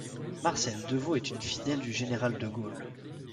Marcelle Devaud est une fidèle du général de Gaulle.